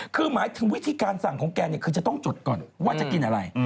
คือหมายถึงวิธีการสั่งของแกเนี่ยคือจะต้องจดก่อนว่าจะกินอะไร